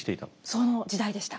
その時代でした。